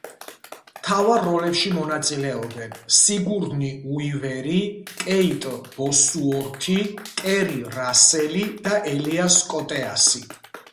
მთავარ როლებში მონაწილეობენ: სიგურნი უივერი, კეიტ ბოსუორთი, კერი რასელი და ელიას კოტეასი.